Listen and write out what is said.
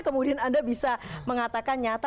kemudian anda bisa mengatakan nyata